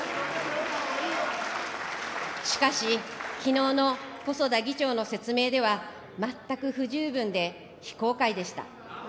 しかし、きのうの細田議長の説明では全く不十分で非公開でした。